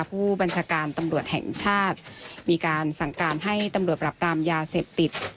ผู้บัญชาการตำรวจแห่งชาติมีการสั่งการให้ตำรวจปรับปรามยาเสพติด